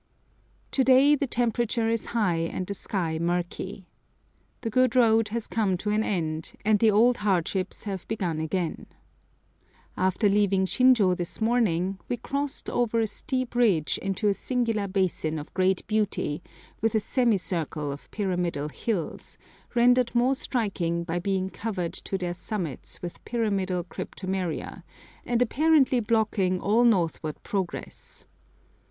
To day the temperature is high and the sky murky. The good road has come to an end, and the old hardships have begun again. After leaving Shinjô this morning we crossed over a steep ridge into a singular basin of great beauty, with a semicircle of pyramidal hills, rendered more striking by being covered to their summits with pyramidal cryptomeria, and apparently blocking all northward progress.